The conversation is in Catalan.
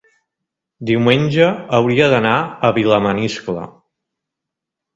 diumenge hauria d'anar a Vilamaniscle.